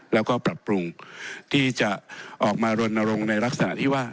แล้วก็ปรับปรุงที่จะออกมารณรงค์ในลักษณะที่ว่า